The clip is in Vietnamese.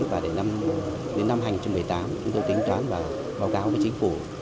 và đến năm hai nghìn một mươi tám chúng tôi tính toán và báo cáo với chính phủ